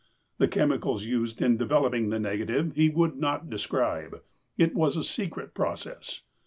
The chemicals used in developing the negative he would not describe. It was a secret process.